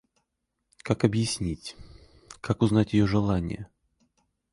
Как объяснить... как узнать ее желание?